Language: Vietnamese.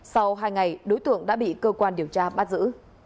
sau hai ngày đối tượng đã bị cơ quan điều tra bắt giữ